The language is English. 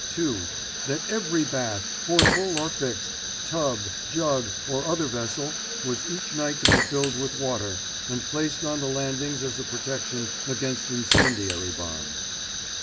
(2) That every bath, portable or fixed, tub, jug, or other vessel was each night to be filled with water, and placed on the landings as a protection against incendiary bombs.